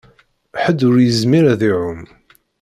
Ḥedd ur yezmir ad iɛum.